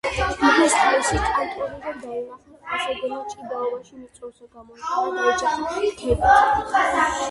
გიგოს თავის კანტური რომ დაინახა, თხას ეგონა, ჭიდაობაში მიწვევსო, გამოექანა, დაეჯახა რქებით,